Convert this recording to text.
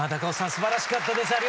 すばらしかったです。